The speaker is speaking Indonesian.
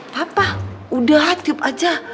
papa udah tip aja